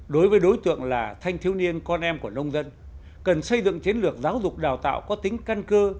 đối với đối tượng là thanh thiếu niên con em của nông dân cần xây dựng chiến lược giáo dục đào tạo có tính căn cơ